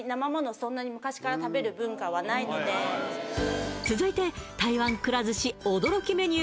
そんなに昔から食べる文化はないので続いて台湾くら寿司驚きメニュー